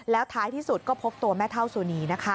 แล้วท้ายที่สุดก็พบตัวแม่เท่าสุนีนะคะ